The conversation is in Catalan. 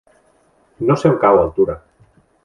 No sé on cau Altura.